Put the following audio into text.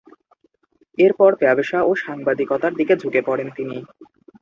এরপর, ব্যবসা ও সাংবাদিকতার দিকে ঝুঁকে পড়েন তিনি।